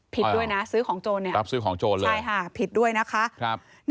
ผิดด้วยนะซื้อของโจรเนี่ยใช่ค่ะผิดด้วยนะคะรับซื้อของโจรเลย